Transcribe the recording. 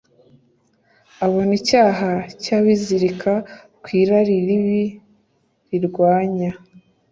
abona icyaha cyabizirika ku irari ribi rirwanya